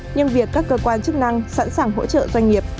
nhưng việc các cơ quan chức năng sẵn sàng hỗ trợ doanh nghiệp